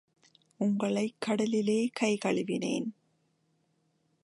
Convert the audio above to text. உங்களைக் கடலிலே கை கழுவினேன்.